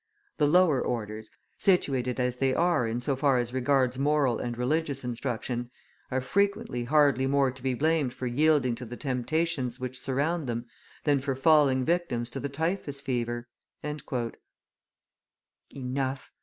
The lower orders, situated as they are in so far as regards moral or religious instruction, are frequently hardly more to be blamed for yielding to the temptations which surround them than for falling victims to the typhus fever." Enough!